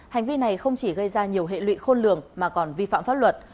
hành vi này không chỉ gây ra nhiều hệ lụy khôn lường mà còn vi phạm pháp luật